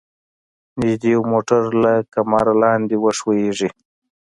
نږدې و موټر له کمره لاندې وښویيږي.